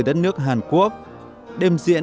đất nước hàn quốc đêm diễn